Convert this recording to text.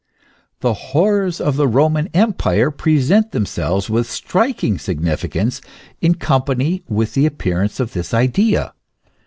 The horrors of the Roman Empire present them selves with striking significance in company with the appear ance of this idea.